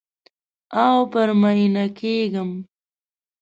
او پر میینه کیږم